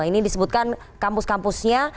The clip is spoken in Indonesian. ini disebutkan kampus kampusnya